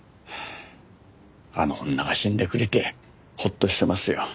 あの女が死んでくれてホッとしてますよ。